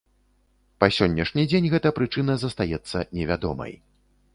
Па сённяшні дзень гэта прычына застаецца невядомай.